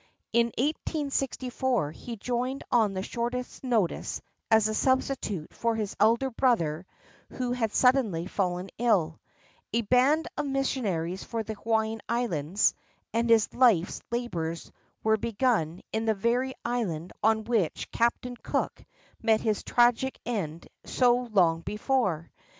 In 1864 he joined on the shortest notice, as a substitute for his elder brother, who had suddenly fallen ill, a band of missionaries for the Hawaiian Islands, and his Hfe's labors were begun in the very island on which Captain Cook met his tragic end so long before.